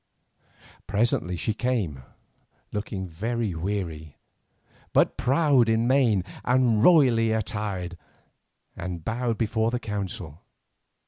Presently she came, looking very weary, but proud in mien and royally attired, and bowed before the council.